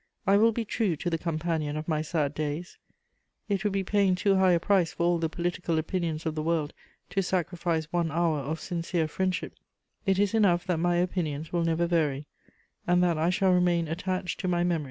I will be true to the companion of my sad days; it would be paying too high a price for all the political opinions of the world to sacrifice one hour of sincere friendship: it is enough that my opinions will never vary, and that I shall remain attached to my memories.